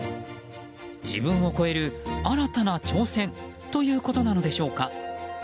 自分を超える新たな挑戦ということなのでしょうか。